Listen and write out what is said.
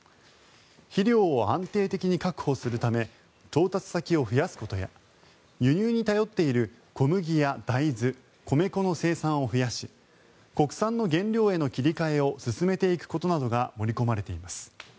肥料を安定的に確保するため調達先を増やすことや輸入に頼っている小麦や大豆、米粉の生産を増やし国産の原料への切り替えを進めていくことなどが盛り込まれています。